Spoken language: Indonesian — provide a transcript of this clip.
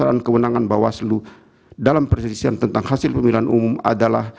pelaksanaan kewenangan bawah selu dalam persisian tentang hasil pemiluan umum adalah